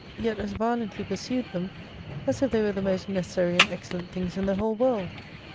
Yet as violently pursued them as if they were the most necessary and excellent things in the whole world.